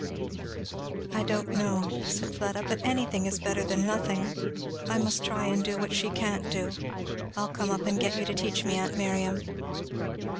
"I don't know," said Fleda, "but anything is better than nothing. I must try and do what she can't do. I'll come up and get you to teach me, aunt Miriam."